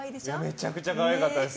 めちゃくちゃ可愛かったです。